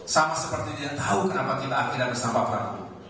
sama seperti dia tahu kenapa kita akhir akhir habis tanpa perang